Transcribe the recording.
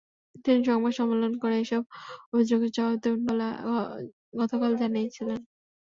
তিনি সংবাদ সম্মেলন করে এসব অভিযোগের জবাব দেবেন বলে গতকাল জানিয়েছেন।